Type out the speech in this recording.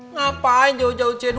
ngapain jauh jauh c dua